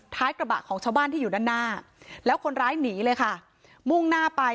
ท้ายกระบะของชาวบ้านที่อยู่ด้านหน้าแล้วคนร้ายหนีเลยค่ะมุ่งหน้าไป